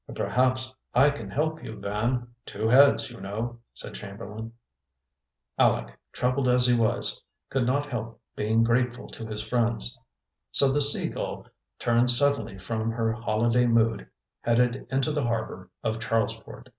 "And perhaps I can help you, Van; two heads, you know," said Chamberlain. Aleck, troubled as he was, could not help being grateful to his friends. So the Sea Gull, turned suddenly from her holiday mood, headed into the harbor of Charlesport.